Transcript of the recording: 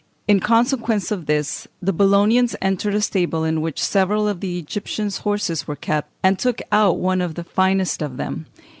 In consequence of this, the Bolognians entered a stable in which several of the Egyptians' horses were kept, and took out one of the finest of them.